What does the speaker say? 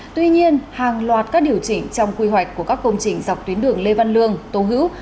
tuy nhiên hàng loạt các điều chỉnh trong quy hoạch của các công trình dọc tuyến đường lê văn lương tô hữu